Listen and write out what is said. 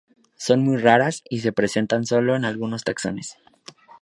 Son muy raras, y se presentan solo en algunos taxones.